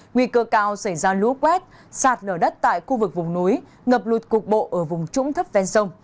nguy cơ cao xảy ra lũ quét sạt nở đất tại khu vực vùng núi ngập lụt cục bộ ở vùng trũng thấp ven sông